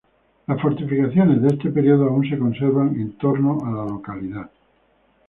Las fortificaciones de este periodo aún se conservan en torno a la localidad.